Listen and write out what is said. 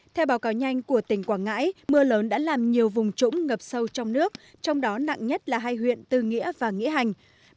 theo báo cáo nhanh của tỉnh quảng ngãi mưa lớn đã làm nhiều vùng trũng ngập sâu trong nước trong đó nặng nhất là hai huyện tư nghĩa và nghĩa hành